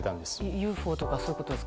ＵＦＯとかそういうことですか。